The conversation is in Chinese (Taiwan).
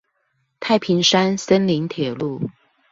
太平山森林鐵路